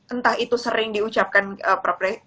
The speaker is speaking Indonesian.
entah itu sering diucapkan pak presiden